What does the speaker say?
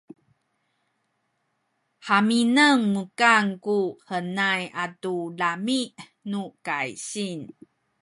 haminen mukan ku hemay atu lami’ nu kaysing